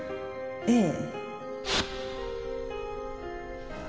ええ。